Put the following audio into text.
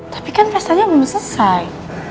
tapi kan pestanya belum selesai